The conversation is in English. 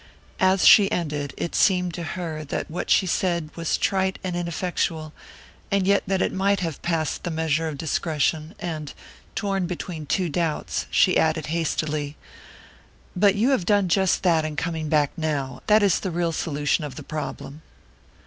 As she ended, it seemed to her that what she had said was trite and ineffectual, and yet that it might have passed the measure of discretion; and, torn between two doubts, she added hastily: "But you have done just that in coming back now that is the real solution of the problem."